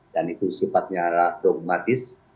dan itu sifatnya dogmatis